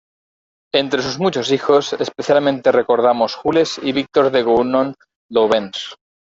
Entre sus muchos hijos, especialmente recordamos Jules y Victor de Gounon-Loubens.